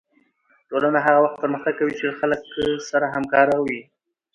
ټولنه هغه وخت پرمختګ کوي چې خلک سره همکاره وي